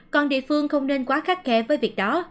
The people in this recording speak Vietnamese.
còn địa phương không nên quá khắt khe với việc đó